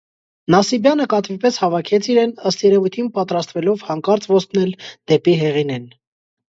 Նասիբյանը կատվի պես հավաքեց իրեն, ըստ երևույթին պատրաստվելով հանկարծ ոստնել դեպի Հեղինեն: